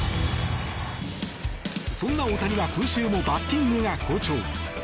そんな大谷は今週もバッティングが好調。